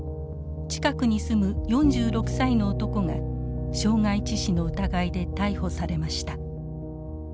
近くに住む４６歳の男が傷害致死の疑いで逮捕されました。